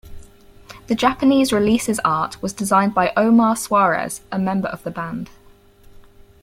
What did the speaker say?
The Japanese release's art was designed by Omar Swarez, a member of the band.